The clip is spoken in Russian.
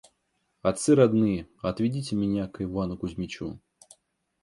Отцы родные, отведите меня к Ивану Кузмичу».